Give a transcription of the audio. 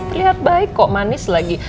terlihat baik kok manis lagi